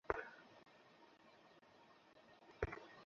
আমি একটা ব্যবস্থা করে ফেলব!